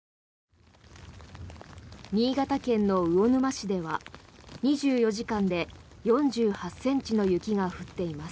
新潟県の魚沼市では２４時間で４８ｃｍの雪が降っています。